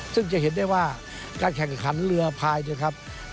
ซึ่งจะเห็นได้ว่าการแข่งขันเรือพายนะครับ